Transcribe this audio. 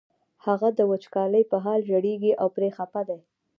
هغه د وچکالۍ په حال ژړېږي او پرې خپه دی.